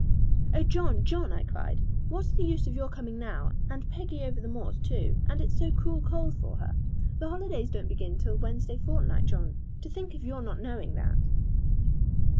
'Oh, John, John,' I cried, 'what's the use of your coming now, and Peggy over the moors, too, and it so cruel cold for her? The holidays don't begin till Wednesday fortnight, John. To think of your not knowing that!'